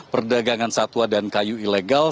perdagangan satwa dan kayu ilegal